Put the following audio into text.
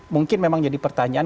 mungkin memang jadi pertanyaan